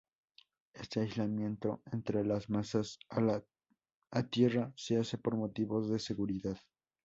Este aislamiento entre las masas o tierra se hace por motivos de seguridad.